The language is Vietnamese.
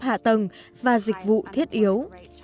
hạ tầng và dịch vụ thiết yếu